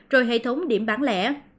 rồi hệ thống điểm bán lẻ